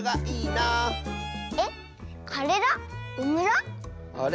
あれ？